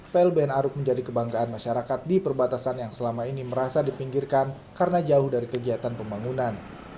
plbn aruk menjadi kebanggaan masyarakat di perbatasan yang selama ini merasa dipinggirkan karena jauh dari kegiatan pembangunan